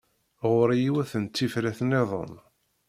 Ɣur-i yiwet n tifrat-nniḍen.